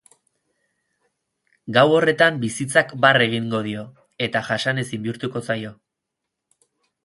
Gau horretan bizitzak barre egingo dio, eta jasanezin bihurtuko zaio.